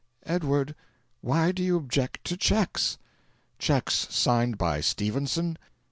"Edward, why do you object to cheques?" "Cheques signed by Stephenson!